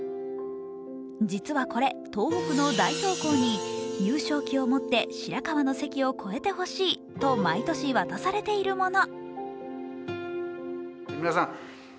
実はこれ、東北の代表校に優勝旗を持って白河の関を越えてほしいと毎年渡されているもの。